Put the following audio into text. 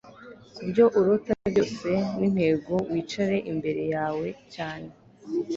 Kubyo urota byose nintego wicare imbere yawe cyane